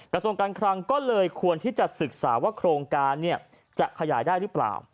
กระทรวงการคลังก็เลยควรที่จะศึกษาว่าโครงการจะขยายได้หรือเปล่า